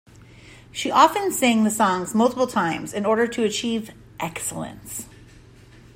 She often sang the songs multiple times in order to achieve "excellence".